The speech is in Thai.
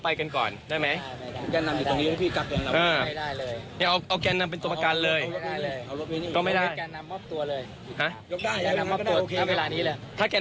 ในเรื่องรอคำรับคำสั่ง